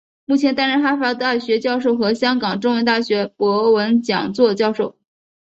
目前担任哈佛大学教授和香港中文大学博文讲座教授。